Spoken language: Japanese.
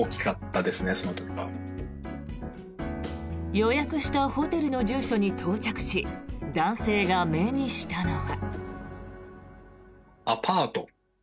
予約したホテルの住所に到着し男性が目にしたのは。